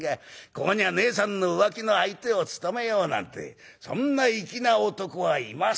ここにはねえさんの浮気の相手を務めようなんてそんな粋な男はいませんから』